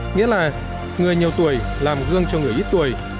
nghĩa là người nhiều tuổi làm gương cho người ít tuổi